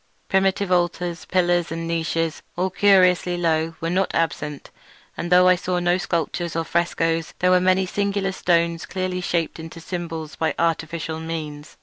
Primitive altars, pillars, and niches, all curiously low, were not absent; and though I saw no sculptures nor frescoes, there were many singular stones clearly shaped into symbols by artificial means.